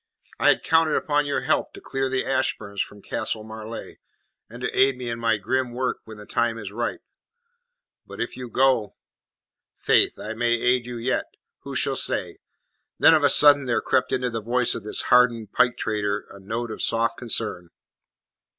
"I had counted upon your help to clear the Ashburns from Castle Marleigh and to aid me in my grim work when the time is ripe. But if you go " "Faith, I may aid you yet. Who shall say?" Then of a sudden there crept into the voice of this hardened pike trader a note of soft concern.